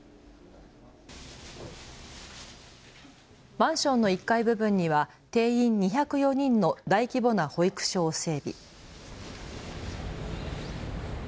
マンションの１階部分には定員２０４人の大規模な保育所を整備。